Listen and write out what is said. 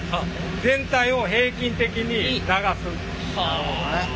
なるほどね。